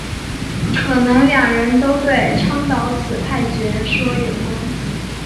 可能两人都对倡导此派学说有功。